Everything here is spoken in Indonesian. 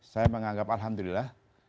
saya menganggap alhamdulillah